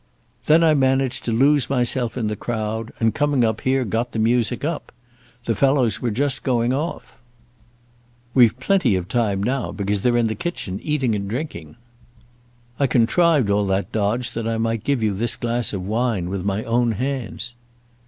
Then I managed to lose myself in the crowd, and coming up here got the music up. The fellows were just going off. We've plenty of time now, because they're in the kitchen eating and drinking. I contrived all that dodge that I might give you this glass of wine with my own hands."